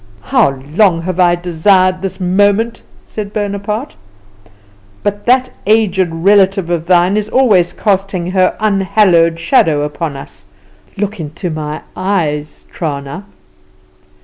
"How long have I desired this moment!" said Bonaparte. "But that aged relative of thine is always casting her unhallowed shadow upon us. Look into my eyes, Trana."